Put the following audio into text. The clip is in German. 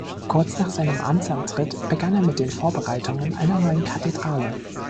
Kurz nach seinem Amtsantritt begann er mit den Vorbereitungen einer neuen Kathedrale.